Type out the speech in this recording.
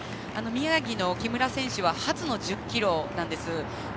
宮城の選手は初の１０ｋｍなんです。